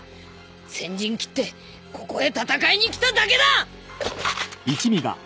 先陣切ってここへ戦いに来ただけだッ！